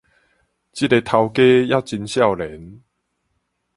這个頭家猶真少年